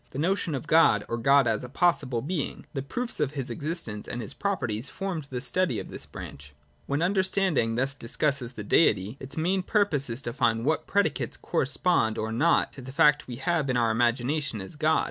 The notion of God, or God as 72 FIRST ATTITUDE TO OBJECTIVITY. [36. a possible being, the proofs of his existence, and his properties, formed the study of this branch. (a) When understanding thus discusses the Deity, its main purpose is to find what predicates correspond or not to the fact we have in our imagination as God.